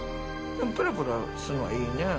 プラプラするのはいいね。